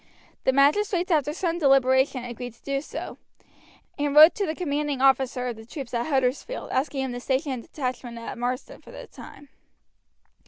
The magistrates after some deliberation agreed to do so, and wrote to the commanding officer of the troops at Huddersfield asking him to station a detachment at Marsden for a time.